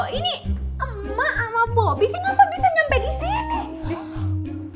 ini emak sama bobby kenapa bisa nyampe disini